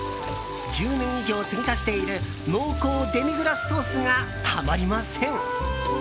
１０年以上継ぎ足している濃厚デミグラスソースがたまりません。